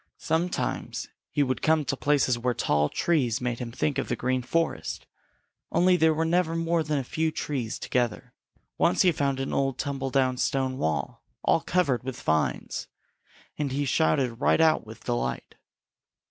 Sometimes he would come to places where tall trees made him think of the Green Forest, only there were never more than a few trees together. Once he found an old tumble down stone wall all covered with vines, and he shouted right out with delight.